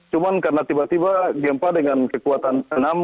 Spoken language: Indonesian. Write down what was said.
cuma karena tiba tiba gempa dengan kekuatan enam